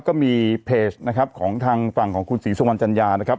ก็มีเพจนะครับของทางฝั่งของคุณศรีสุวรรณจัญญานะครับ